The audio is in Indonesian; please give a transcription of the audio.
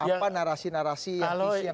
apa narasi narasi yang bisa yang akan dibuka